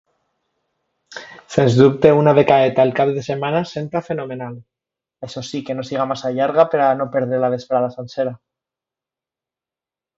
Sens dubte una becaeta el cap de setmana senta fenomenal. Això sí, que no siga massa llarga per a no perdre la vesprada sencera